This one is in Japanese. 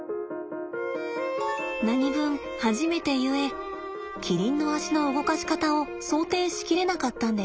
何分初めてゆえキリンの足の動かし方を想定し切れなかったんです。